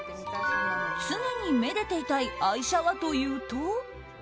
常にめでていたい愛車はというと。